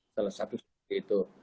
salah satu seperti itu